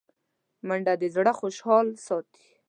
منډه د زړه خوشحال ساتي